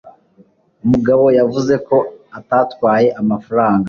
umugabo yavuze ko atatwaye amafaranga